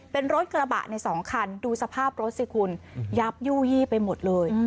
เป็นรถกระบะในสองคันดูสภาพรถสิคุณยับยู่ยี่ไปหมดเลย